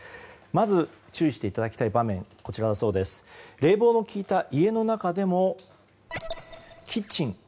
まず、注意していただきたい場面冷房の効いた家の中でもキッチン。